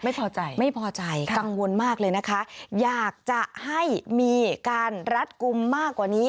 ไม่พอใจค่ะค่ะอยากจะให้มีการรัดกุมมากกว่านี้